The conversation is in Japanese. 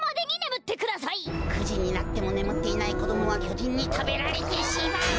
９じになってもねむっていないこどもはきょじんにたべられてしまう！